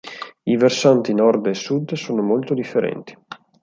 I versanti nord e sud sono molto differenti.